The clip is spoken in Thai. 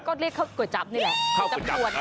ก็เรียกเขาก๋วยจับนี่แหละ